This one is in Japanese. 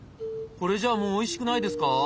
これじゃあもうおいしくないですか？